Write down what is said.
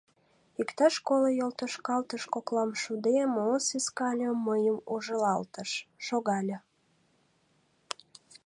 Иктаж коло йолтошкалтыш коклам шуде, Моосес Каллио мыйым ужылалтыш, шогале.